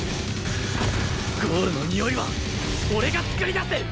ゴールのにおいは俺が作り出す！